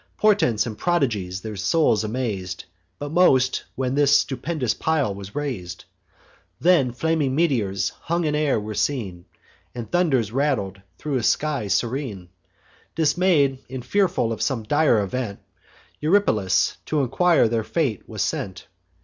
Portents and prodigies their souls amaz'd; But most, when this stupendous pile was rais'd: Then flaming meteors, hung in air, were seen, And thunders rattled thro' a sky serene. Dismay'd, and fearful of some dire event, Eurypylus t' enquire their fate was sent.